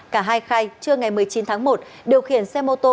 cả hai khai trương ngày một mươi chín tháng một điều khiển xe mô tô